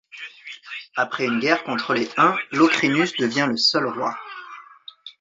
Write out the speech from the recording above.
Après une guerre contre les Huns, Locrinus devient le seul roi.